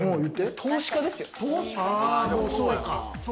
投資家ですよ。